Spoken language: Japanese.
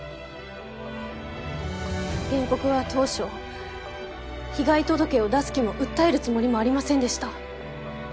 原告は当初被害届を出す気も訴えるつもりもありませんでした。